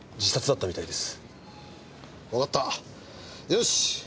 よし！